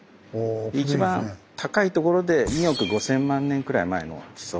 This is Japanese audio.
一番高い所で２億５，０００万年くらい前の地層。